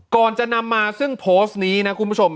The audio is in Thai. ก่อนจะนำมาซึ่งโพสต์นี้นะคุณผู้ชม